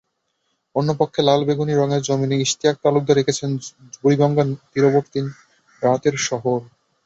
অন্য পক্ষে লাল-বেগুনি রঙের জমিনে ইশতিয়াক তালুকদার এঁকেছেন বুড়িগঙ্গা তীরবর্তী রাতের শহর।